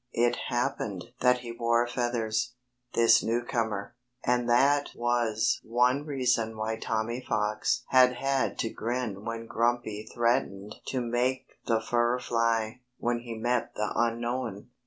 It happened that he wore feathers this newcomer. And that was one reason why Tommy Fox had had to grin when Grumpy threatened to "make the fur fly" when he met the unknown.